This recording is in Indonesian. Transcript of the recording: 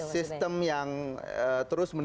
sistem yang terus menerima